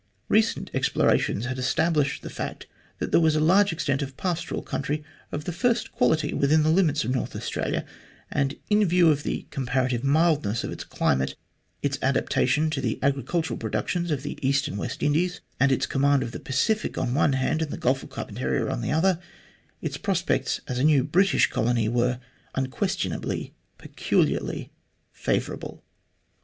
Recent explorations had established the fact that there was a large extent of pastoral country of the first quality within the limits of North Australia, and in view of the comparative mildness of its climate, its adaptation to the agricultural productions of the East and West Indies, and its command of the Pacific on the one hand and the Gulf of Carpentaria on the other, its prospects as a new British colony were unquestionably peculiarly favourable.